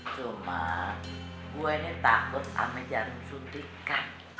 cuma gue ini takut sama jarum suntikan